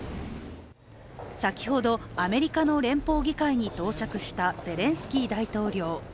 先ほど、アメリカの連邦議会に到着したゼレンスキー大統領。